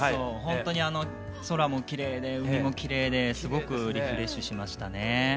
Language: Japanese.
本当に空もきれいで海もきれいですごくリフレッシュしましたね。